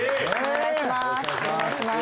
お願いします